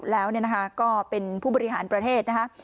แล้วก็เป็นผู้บริหารประเทศนะคะ